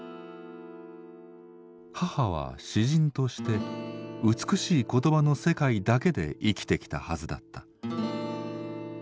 母は詩人として美しい言葉の世界だけで生きてきたはずだった。